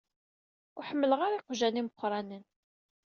Ur ḥemmleɣ ara iqjan imuqranen.